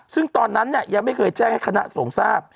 ซึ่งตอนนั้นยังไม่เคยแจ้งให้คณะสงฆ์ทราบ